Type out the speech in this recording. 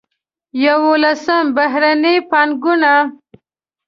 یولسم: بهرنۍ پانګونه.